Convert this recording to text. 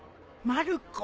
まる子。